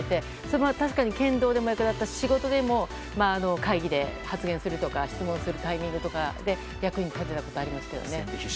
確かに剣道でも仕事でも会議で発言するとか質問するタイミングとかで役に立ったことありますけどね。